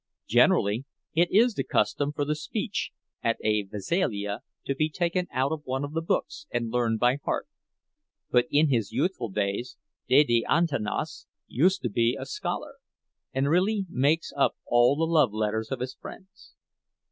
Generally it is the custom for the speech at a veselija to be taken out of one of the books and learned by heart; but in his youthful days Dede Antanas used to be a scholar, and really make up all the love letters of his friends.